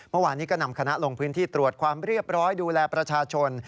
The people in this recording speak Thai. เมื่อวานนี้ก็นำคณะลงพื้นที่ตรวจความเรียบร้อยดูแลประชาชน